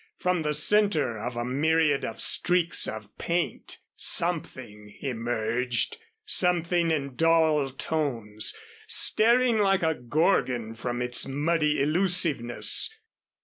From the center of a myriad of streaks of paint something emerged. Something in dull tones, staring like a Gorgon from its muddy illusiveness.